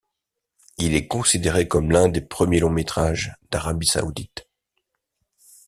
Il est considéré comme l'un des premiers longs métrages d'Arabie saoudite.